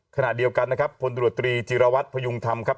ขณะเดียวกันนะครับพลตรวจตรีจิรวัตรพยุงธรรมครับ